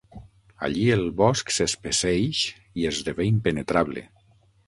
Allí el bosc s'espesseix i esdevé impenetrable.